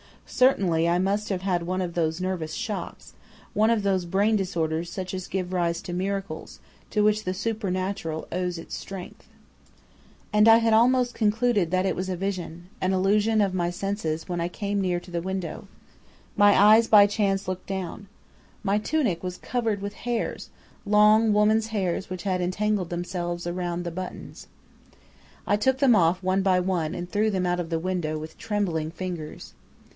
Certainly I must have had one of those nervous shocks, one of those brain disorders such as give rise to miracles, to which the supernatural owes its strength. "And I had almost concluded that it was a vision, an illusion of my senses, when I came near to the window. My eyes by chance looked down. My tunic was covered with hairs, long woman's hairs which had entangled themselves around the buttons! "I took them off one by one and threw them out of the window with trembling fingers.